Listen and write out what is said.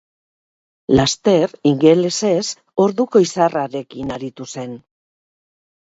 Laster ingelesez orduko izarrarekin aritu zen.